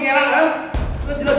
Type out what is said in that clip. kenapa sih kamu mesti ngelak kan